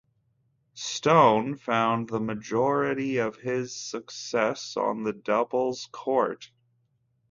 Stone found the majority of his success on the doubles court.